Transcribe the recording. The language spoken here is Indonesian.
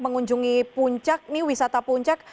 mengunjungi puncak ini wisata puncak